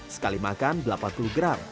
sekali makan delapan puluh gram